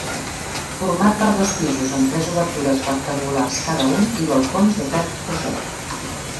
Format per dos pisos amb tres obertures rectangulars cada un i balcons de ferro forjat.